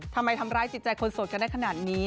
ทำไมทำร้ายจิตใจคนสดก็ได้ขนาดนี้